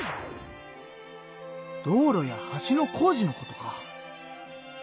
道路や橋の工事のことか。